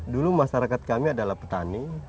dulu masyarakat kami adalah petani